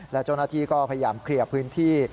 และเจ้าหน้าที่ก็พยายามเคลียร์พื้นที่